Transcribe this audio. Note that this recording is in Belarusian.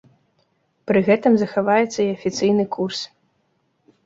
Пры гэтым захаваецца і афіцыйны курс.